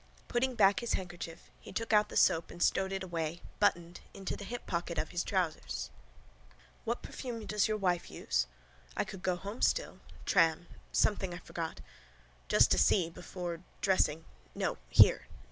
Putting back his handkerchief he took out the soap and stowed it away, buttoned, into the hip pocket of his trousers. What perfume does your wife use? I could go home still: tram: something I forgot. Just to see: before: dressing. No. Here.